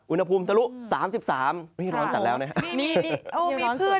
อุณหภูมิจะรู้๓๓ฮึยร้อนจัดละเนี่ย